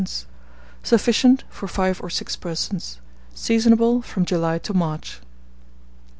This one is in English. Sufficient for 5 or 6 persons. Seasonable from July to March.